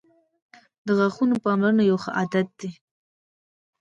• د غاښونو پاملرنه یو ښه عادت دی.